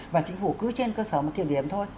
và chính phủ cứ trên cơ sở mà kiểm điểm thôi